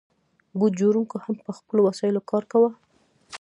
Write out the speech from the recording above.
بوټ جوړونکو هم په خپلو وسایلو کار کاوه.